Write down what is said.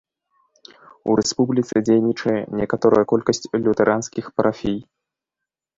У рэспубліцы дзейнічае некаторая колькасць лютэранскіх парафій.